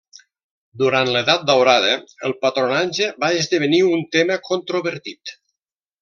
Durant l'edat daurada, el patronatge va esdevenir un tema controvertit.